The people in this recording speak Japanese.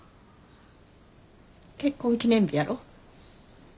結婚記念日やろ。